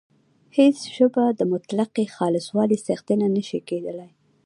چې هیڅ ژبه د مطلقې خالصوالي څښتنه نه شي کېدلای